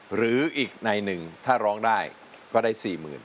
หรืออีกในหนึ่งถ้าร้องได้ก็ได้๔๐๐๐